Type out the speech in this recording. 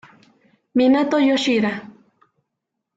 Minato Yoshida